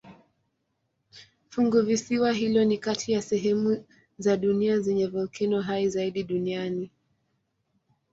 Funguvisiwa hilo ni kati ya sehemu za dunia zenye volkeno hai zaidi duniani.